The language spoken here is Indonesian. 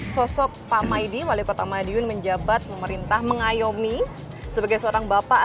sosok pak maidi wali kota madiun menjabat pemerintah mengayomi sebagai seorang bapak